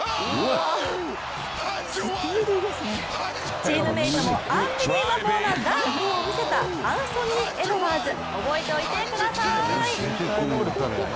チームメイトもアンビリーバボーなダンクを見せたアンソニー・エドワーズ、覚えておいてください。